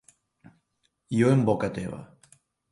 Jo en boca teva.